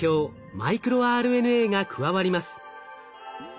マイクロＲＮＡが加わります。